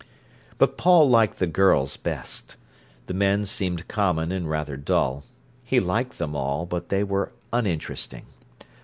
But Paul liked the girls best. The men seemed common and rather dull. He liked them all, but they were uninteresting.